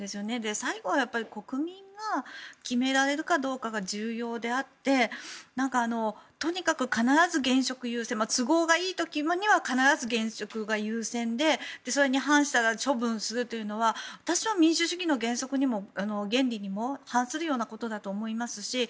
最後は国民が決められるかどうかが重要であってとにかく必ず現職優先都合がいい時には必ず現職が優先でそれに反したら処分するというのは私は民主主義の原則、原理にも反することだと思いますし